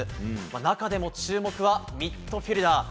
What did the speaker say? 中でも注目はミッドフィールダー。